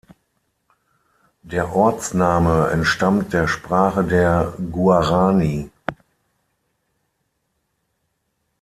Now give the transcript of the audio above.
Der Ortsname entstammt der Sprache der Guaraní.